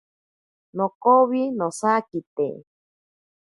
Nokowi nosakite.